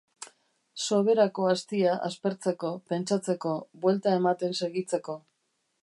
Soberako astia aspertzeko, pentsatzeko, buelta ematen segitzeko.